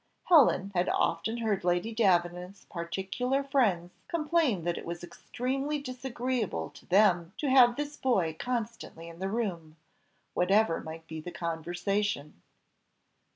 Helen had often heard Lady Davenant's particular friends complain that it was extremely disagreeable to them to have this boy constantly in the room, whatever might be the conversation.